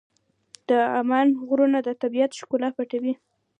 د عمان غرونه د طبیعت ښکلا پټوي.